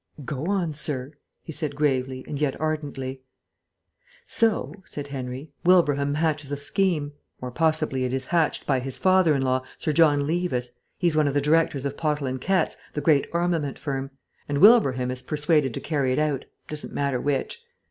"Go on, sir," he said gravely and yet ardently. "So," said Henry, "Wilbraham hatches a scheme. Or, possibly it is hatched by his father in law, Sir John Levis (he's one of the directors of Pottle & Kett's, the great armament firm), and Wilbraham is persuaded to carry it out; it doesn't matter which.